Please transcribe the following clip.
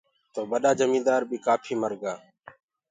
تو ٻڏآ جميٚندآر بي ڪآڦي مرگا۔